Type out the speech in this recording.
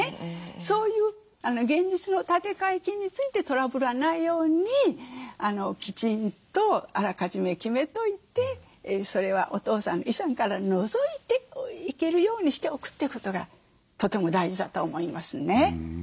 そういう現実の立て替え金についてトラブらないようにきちんとあらかじめ決めといてそれはお父さんの遺産から除いていけるようにしておくということがとても大事だと思いますね。